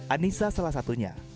anissa salah satunya